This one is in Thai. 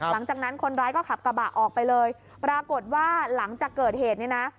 หลังจากนั้นคนร้ายก็ขับกระบะออกไปเลยปรากฏว่าหลังจากเกิดเหตุเนี่ยนะ